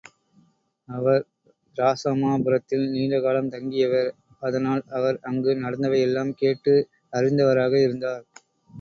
அவர் இராசமா புரத்தில் நீண்ட காலம் தங்கியவர் அதனால் அவர் அங்கு நடந்தவை எல்லாம் கேட்டு அறிந்தவராக இருந்தார்.